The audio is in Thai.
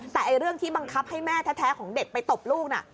แต่เรื่องที่บังคับให้แม่แท้ของเด็กไปตบลูกน่ะ